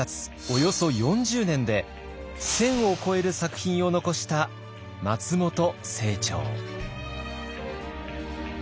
およそ４０年で１，０００を超える作品を残した松本清張。